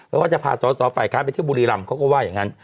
แล้วก็จะพาสาวไปครับไปที่บุรีรำเขาก็ว่าอย่างนั้น